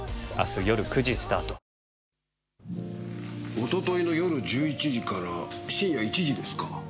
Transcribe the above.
おとといの夜１１時から深夜１時ですか？